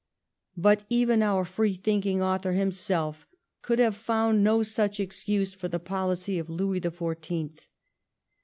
But even our free thinking author himself could have found no such excuse for the policy of Louis the Fourteenth.